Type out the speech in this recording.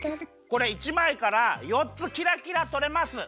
これ１まいから４つキラキラとれます。